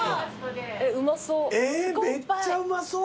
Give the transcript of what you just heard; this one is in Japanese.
うまそう。